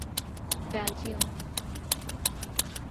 Belgium